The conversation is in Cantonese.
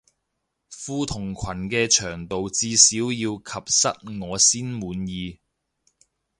褲同裙嘅長度至少要及膝我先滿意